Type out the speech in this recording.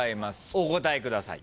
お答えください。